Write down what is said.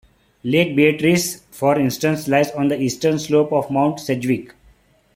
Lake Beatrice for instance lies on the eastern slope of Mount Sedgwick.